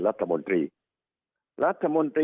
สุดท้ายก็ต้านไม่อยู่